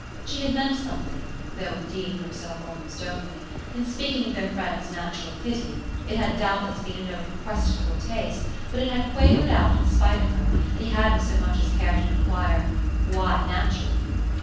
She had meant something though indeed for herself almost only in speaking of their friend's natural pity; it had doubtless been a note of questionable taste, but it had quavered out in spite of her and he hadn't so much as cared to enquire "Why 'natural'?"